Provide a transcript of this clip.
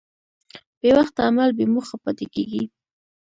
بېوخته عمل بېموخه پاتې کېږي.